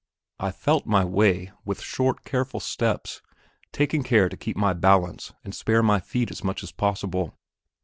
I felt my way with short, careful steps, taking care to keep my balance and spare my feet as much as possible.